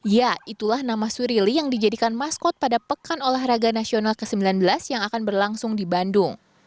ya itulah nama surili yang dijadikan maskot pada pekan olahraga nasional ke sembilan belas yang akan berlangsung di bandung